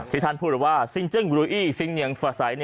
ที่ท่านพูดว่าสิ้นเจิ้งหรูอี้สิ้นเหนียนฟ้าฉัย